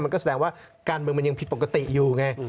มันก็แสดงว่าการเมืองมันยังผิดปกติอยู่ไง